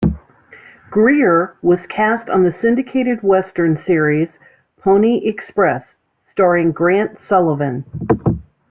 Greer was cast on the syndicated western series "Pony Express", starring Grant Sullivan.